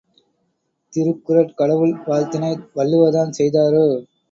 திருக்குறட் கடவுள் வாழ்த்தினை வள்ளுவர்தான் செய்தாரோ?